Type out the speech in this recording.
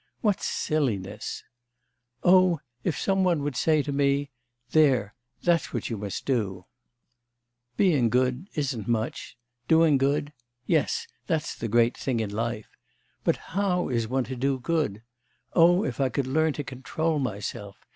What silliness! 'Oh, if some one would say to me: "There, that's what you must do!" Being good isn't much; doing good... yes, that's the great thing in life. But how is one to do good? Oh, if I could learn to control myself!